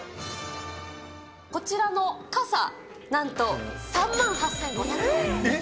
こちらの傘、なんと３万８５００円です。